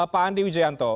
pak andi wijayanto